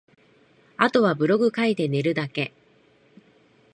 後はブログ書いて寝るだけ